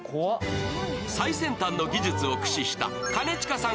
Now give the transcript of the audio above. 最先端の技術を駆使した兼近さん